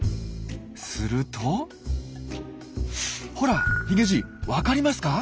するとほらヒゲじいわかりますか？